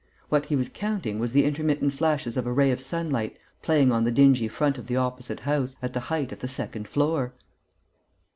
What he was counting was the intermittent flashes of a ray of sunlight playing on the dingy front of the opposite house, at the height of the second floor!